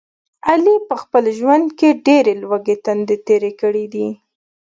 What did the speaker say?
علي په خپل ژوند کې ډېرې لوږې تندې تېرې کړي دي.